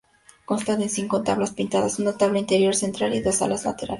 Consta de cinco tablas pintadas: un tabla interior central, y dos alas laterales.